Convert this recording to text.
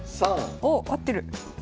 ３！おっ合ってる。